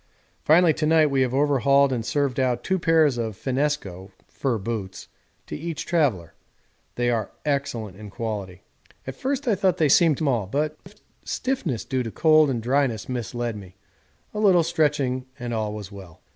Finally to night we have overhauled and served out two pairs of finnesko (fur boots) to each traveller. They are excellent in quality. At first I thought they seemed small, but a stiffness due to cold and dryness misled me a little stretching and all was well.